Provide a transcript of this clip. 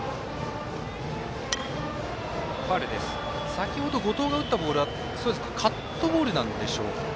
先ほど後藤が打ったボールはカットボールなんでしょうか。